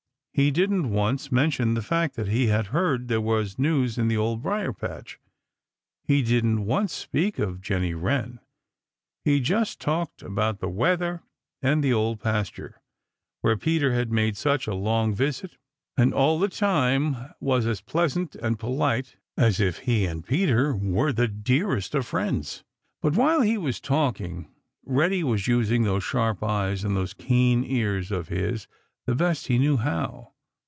He didn't once mention the fact that he had heard there was news in the Old Briar patch. He didn't once speak of Jenny Wren. He just talked about the weather and the Old Pasture, where Peter had made such a long visit, and all the time was as pleasant and polite as if he and Peter were the dearest of friends. But while he was talking, Reddy was using those sharp eyes and those keen ears of his the best he knew how.